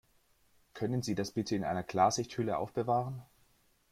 Können Sie das bitte in einer Klarsichthülle aufbewahren?